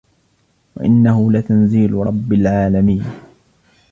وإنه لتنزيل رب العالمين